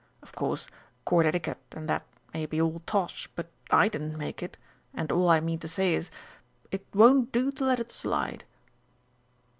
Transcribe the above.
Of course, Court Etiquette and that may be all tosh, but I didn't make it, and all I mean to say is it won't do to let it slide."